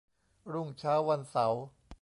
รุ่งเช้าวันเสาร์